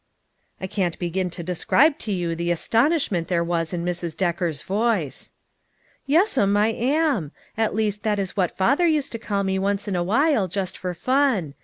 I cannot begin to describe to you the aston ishment there was in Mrs. Decker's voice. " Yes'm, I am. At least that is what father used to call me once in a while, just for fun.